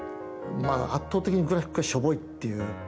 まあ圧倒的にグラフィックがしょぼいっていう。